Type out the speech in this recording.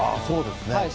そうですね。